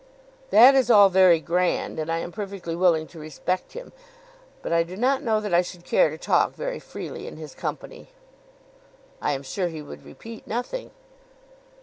"That is all very grand, and I am perfectly willing to respect him. But I do not know that I should care to talk very freely in his company." "I am sure he would repeat nothing."